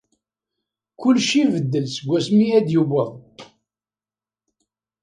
Kullec ibeddel seg wasmi ay d-yuweḍ.